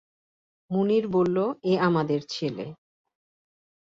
মুনির বলল, এ আমাদের ছেলে।